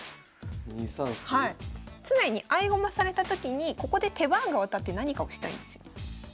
常に合駒されたときにここで手番が渡って何かをしたいんですよ。